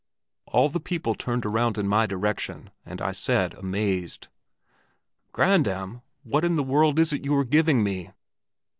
All the people turned around in my direction, as I said, amazed, 'Grandam, what in the world is this you are giving me?'